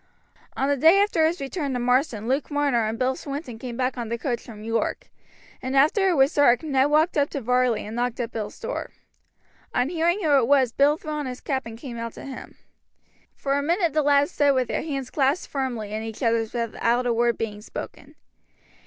On the day after his return to Marsden Luke Marner and Bill Swinton came back on the coach from York, and after it was dark Ned walked up to Varley and knocked at Bill's door. On hearing who it was Bill threw on his cap and came out to him. For a minute the lads stood with their hands clasped firmly in each other's without a word being spoken.